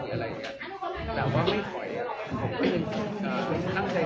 แต่ว่าไม่คอยผมคือนั่งใจทำงานทุกคนได้ฝากกันต่อ